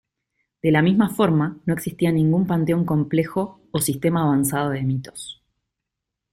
De la misma forma, no existía ningún panteón complejo o sistema avanzado de mitos.